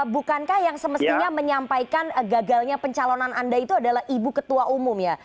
bukankah yang semestinya menyampaikan gagalnya pencalonan anda itu adalah ibu ketua umum ya